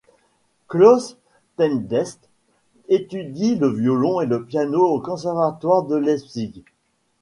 Klaus Tennstedt étudie le violon et le piano au Conservatoire de Leipzig.